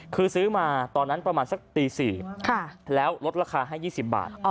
คือซื้อมาตอนนั้นประมาณสักตี๔แล้วลดราคาให้๒๐บาท